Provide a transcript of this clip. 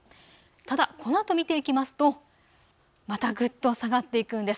ただこのあと見ていきますとまたぐっと下がっていくんです。